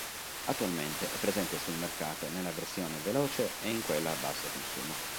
Attualmente è presente sul mercato nella versione veloce e in quella a basso consumo.